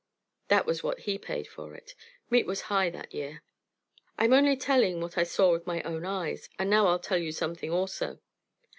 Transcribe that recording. That was what he paid for it. Meat was high that year. I am only telling what I saw with my own eyes. And now I'll tell you something, also.